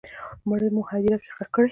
مړی مو هدیره کي ښخ کړی